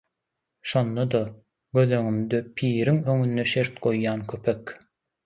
Şonda-da… göz öňümde piriň öňünde şert goýýan kopek: